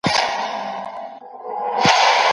په سياسي ټکر کي بايد د زور کارونه ونه سي.